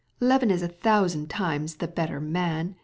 Levin's a thousand times the better man.